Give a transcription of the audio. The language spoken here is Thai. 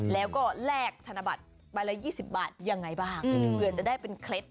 แล้วก็แลกธนบัตรใบละ๒๐บาทยังไงบ้างเผื่อจะได้เป็นเคล็ด